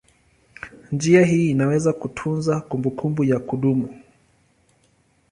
Njia hii inaweza kutunza kumbukumbu ya kudumu.